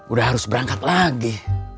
udah harus berangkat lagi